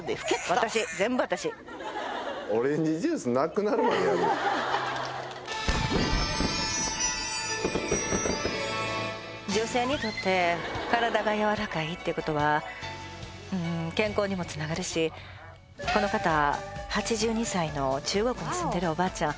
私全部私女性にとって体がやわらかいってことはうん健康にもつながるしこの方８２歳の中国に住んでるおばあちゃん